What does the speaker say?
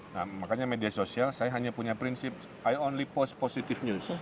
nah makanya media sosial saya hanya punya prinsip i only post positive news